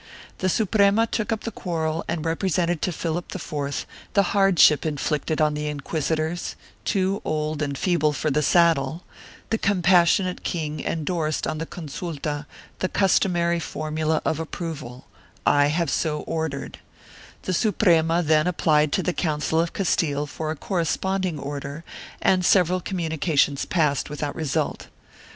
The Suprema took up the quarrel and represented to Philip IV the hardship inflicted on the inquisitors, too old and feeble for the saddle; the compassionate king endorsed on the consul ta the customary formula of approval — "I have so ordered" ; the Suprema then applied to the Council of Castile for a corre sponding order and several communications passed without result.